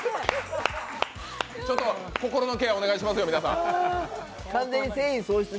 ちょっと心のケアお願いしますよ、皆さん。